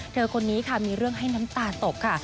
คนนี้ค่ะมีเรื่องให้น้ำตาตกค่ะ